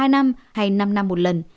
hai năm hay năm năm một lần